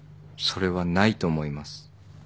それはないと思います。